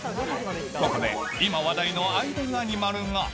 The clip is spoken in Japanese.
ここで今話題のアイドルアニマルが。